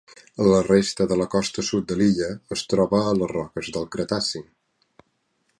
La resta de la costa sud de l'illa es troba a les roques del Cretaci.